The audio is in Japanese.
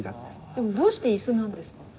でもどうして椅子なんですか？